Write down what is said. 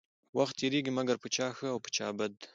وخت تيريږي مګر په چا ښه او په چا بد.